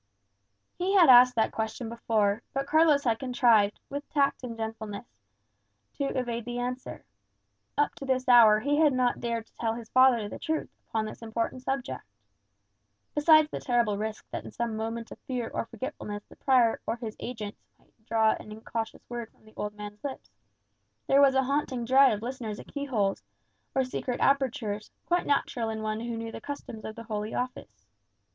He had asked that question before; but Carlos had contrived, with tact and gentleness, to evade the answer. Up to this hour he had not dared to tell his father the truth upon this important subject. Besides the terrible risk that in some moment of fear or forgetfulness the prior or his agents might draw an incautious word from the old man's lips, there was a haunting dread of listeners at key holes, or secret apertures, quite natural in one who knew the customs of the Holy Office.